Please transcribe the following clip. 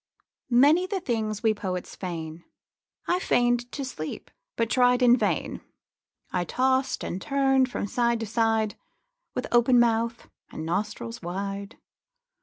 Many the things we poets feign. I feign'd to sleep, but tried in vain. I tost and turn'd from side to side, With open mouth and nostrils wide.